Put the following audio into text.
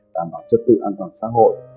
đảm bảo trật tự an toàn xã hội